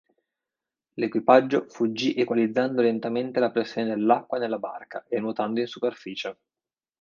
L'equipaggio fuggì equalizzando lentamente la pressione dell'acqua nella barca e nuotando in superficie.